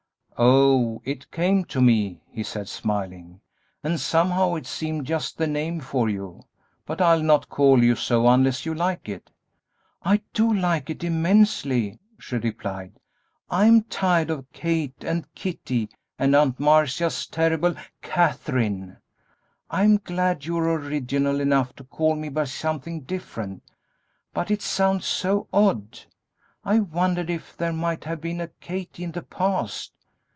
"Oh, it came to me," he said, smiling; "and somehow it seemed just the name for you; but I'll not call you so unless you like it." "I do like it immensely," she replied; "I am tired of 'Kate' and 'Kittie' and Aunt Marcia's terrible 'Katherine;' I am glad you are original enough to call me by something different, but it sounds so odd; I wondered if there might have been a 'Kathie' in the past.